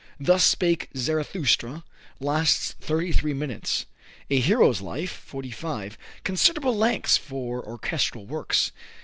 "Thus Spake Zarathustra" lasts thirty three minutes, "A Hero's Life" forty five considerable lengths for orchestral works.